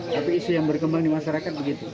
tapi isu yang berkembang di masyarakat begitu